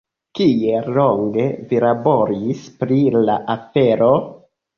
Kiel longe vi laboris pri la afero?